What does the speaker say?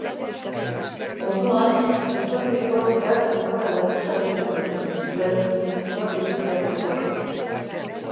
Orduan estazio igorleak denbora bat itxaroten du, berriz mezua birbidaltzeko.